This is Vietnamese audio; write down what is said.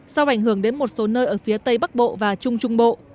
sau ảnh hưởng đến một số nơi ở phía tây bắc bộ và trung trung bộ